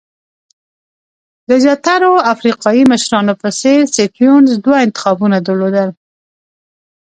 د زیاترو افریقایي مشرانو په څېر سټیونز دوه انتخابونه درلودل.